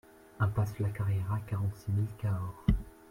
Impasse la Carriera, quarante-six mille Cahors